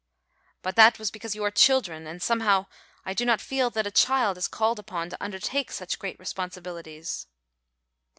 "But that was because you are children, and somehow I do not feel that a child is called upon to undertake such great responsibilities."